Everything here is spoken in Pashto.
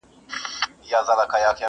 بس ما هم پیدا کولای سی یارانو!!